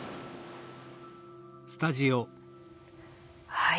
はい。